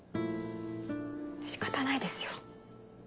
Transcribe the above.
仕方ないですよ。